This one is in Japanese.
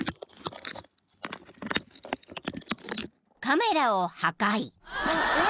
［カメラを破壊］